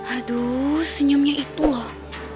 aduh senyumnya itu loh